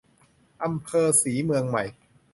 อำเภอศรีเมืองใหม่